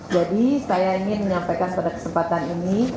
jadi saya ingin menyampaikan pada kesempatan ini